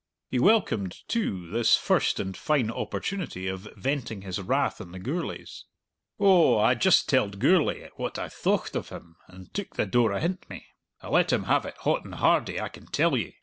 He welcomed, too, this first and fine opportunity of venting his wrath on the Gourlays. "Oh, I just telled Gourlay what I thocht of him, and took the door ahint me. I let him have it hot and hardy, I can tell ye.